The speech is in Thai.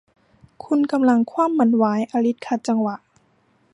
'คุณกำลังคว่ำมันไว้ !' อลิซขัดจังหวะ